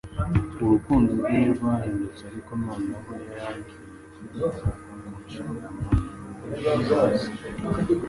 Urukundo rwe ntirwahindutse, ariko noneho yari agiye kwita ku nshingano za Se.